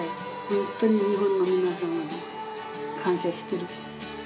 本当に日本の皆様に感謝してる。